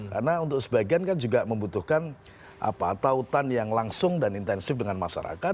karena untuk sebagian kan juga membutuhkan tautan yang langsung dan intensif dengan masyarakat